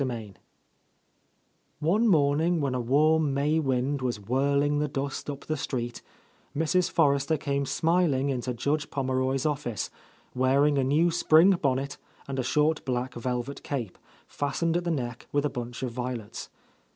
—I VIII O NE morning when a warm May wind was whirling the dust up the street, Mrs. Forrester came smiling into Judge Pom meroy's office, wearing a new spring bonnet, and a short black velvet cape, fastened at the neck with a bunch of violets.